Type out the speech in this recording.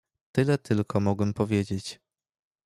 "Tyle tylko mogę powiedzieć."